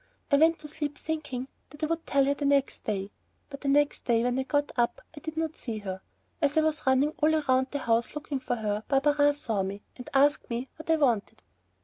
I went to sleep thinking that I would tell her the next day. But the next day when I got up, I did not see her. As I was running all round the house looking for her, Barberin saw me and asked me what I wanted.